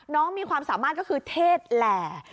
มีความสามารถก็คือเทศแหล่